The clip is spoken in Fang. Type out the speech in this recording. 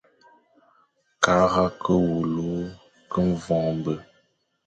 Kara ke wule ke voñbe.